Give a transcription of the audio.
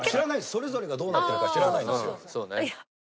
それぞれがどうなってるのか知らないですよ。